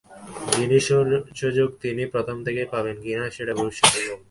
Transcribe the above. সেই সুযোগ তিনি প্রথম থেকেই পাবেন কি না, সেটা ভবিষ্যৎই বলবে।